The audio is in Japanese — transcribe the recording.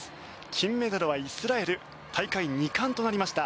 金メダルはイスラエル大会２冠となりました。